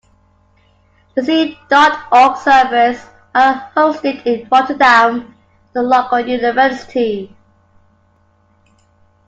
The Scene dot org servers are hosted in Rotterdam, at the local university.